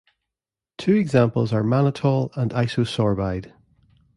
Two examples are mannitol and isosorbide.